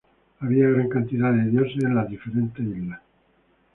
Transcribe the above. Había gran cantidad de dioses en las diferentes islas.